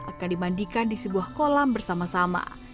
akan dimandikan di sebuah kolam bersama sama